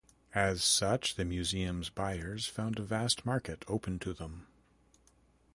As such, the museum's buyers found a vast market open to them.